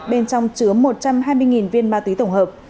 bên trong chứa một trăm hai mươi viên ma túy tổng hợp